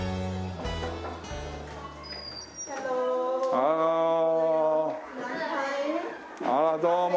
あらどうも。